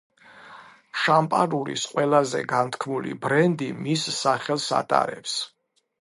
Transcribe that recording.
შამპანურის ყველაზე განთქმული ბრენდი მის სახელს ატარებს.